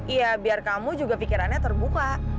iya biar kamu juga pikirannya terbuka